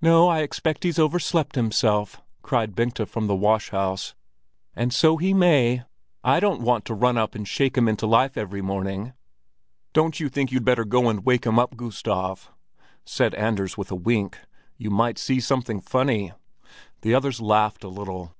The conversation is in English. "No, I expect he's overslept himself," cried Bengta from the wash house. "And so he may! I don't want to run up and shake life into him every morning!" "Don't you think you'd better go up and wake him, Gustav?" said Anders with a wink. "You might see something funny." The others laughed a little.